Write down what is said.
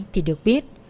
thì được biết